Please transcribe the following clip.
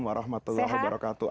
wa rahmatullah wa barakatuh